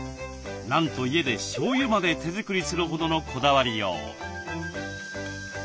なんと家でしょうゆまで手作りするほどのこだわりよう。